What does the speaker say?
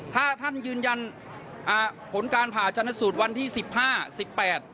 ถ้าท่านยืนยันอ่าผลการผ่าชนสูตรวันที่สิบห้าสิบแปด